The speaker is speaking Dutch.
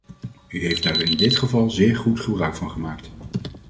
U heeft daar in dit geval zeer goed gebruik van gemaakt.